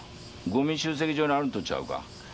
ゴミ集積所にあるんとちゃうか？